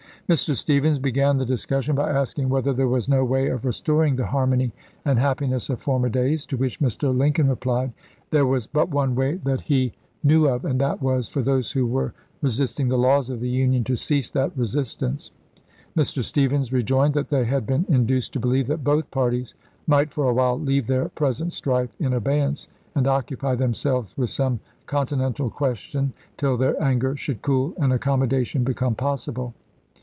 Mr. Stephens began the discussion by asking whether there was no way of restoring the har mony and happiness of former days ; to which Mr. Lincoln replied, " There was but one way that he THE HAMPTON ROADS CONFERENCE 119 knew of, and that was, for those who were resist chap. vi. ing the laws of the Union to cease that resistance." Mr. Stephens rejoined that they had been induced Feb. 3, lses. to believe that both parties might for a while leave their present strife in abeyance and occupy them selves with some continental question till their anger should cool and accommodation become possible.